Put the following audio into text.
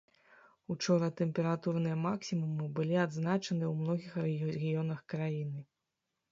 Учора тэмпературныя максімумы былі адзначаныя ў многіх рэгіёнах краіны.